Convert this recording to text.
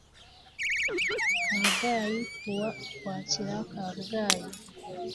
Kabgayi ku wa ukwakira Kabgayi